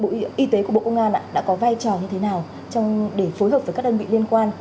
bộ y tế của bộ công an đã có vai trò như thế nào để phối hợp với các đơn vị liên quan